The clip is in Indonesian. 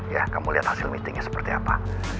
ya kamu lihat hasil meetingnya seperti apa